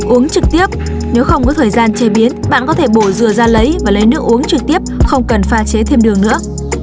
uống trực tiếp nếu không có thời gian chế biến bạn có thể bổ dừa ra lấy và lấy nước uống trực tiếp không cần pha chế thêm đường nữa